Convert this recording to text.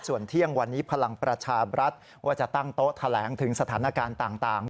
ส่วนเที่ยงวันนี้พลังประชาบรัฐว่าจะตั้งโต๊ะแถลงถึงสถานการณ์ต่าง